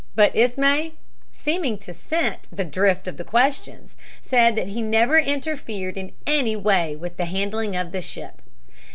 But Ismay, seeming to scent the drift of the questions, said that he never interfered in any way with the handling of the ship.